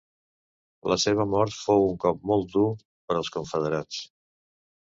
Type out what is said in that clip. La seva mort fou un cop molt dur per als Confederats.